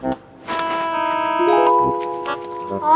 kesan ketika kau bernvanfiak